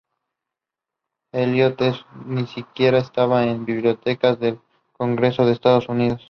Elliott, estos ni siquiera estaban en la Biblioteca del Congreso de Estados Unidos.